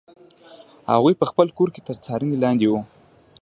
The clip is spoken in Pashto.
هغه په خپل کور کې تر څارنې لاندې و.